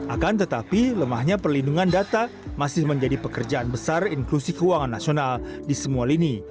akan tetapi lemahnya perlindungan data masih menjadi pekerjaan besar inklusi keuangan nasional di semua lini